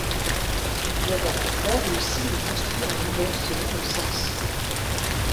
Bien qu'arbitraire, le signe est construit en lui-même selon le sens.